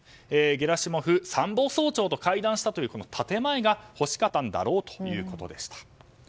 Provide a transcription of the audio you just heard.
ゲラシモフ参謀総長と会談をしたというこの建前が欲しかったんだろうということでした。